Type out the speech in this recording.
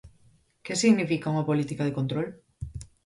¿Que significa unha política de control?